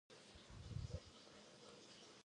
Hoy tiene su centro en Coronel Bogado.